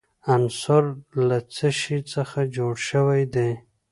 عنصر له څه شي څخه جوړ شوی دی.